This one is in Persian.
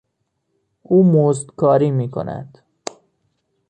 او مزدکاری میکند.